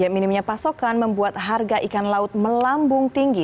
minimnya pasokan membuat harga ikan laut melambung tinggi